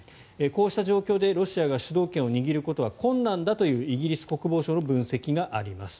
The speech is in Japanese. こうした状況でロシアが主導権を握ることは困難だというイギリス国防省の分析があります。